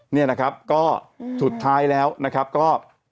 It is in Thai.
นี่นะครับก็สุดท้ายแล้วนะครับก็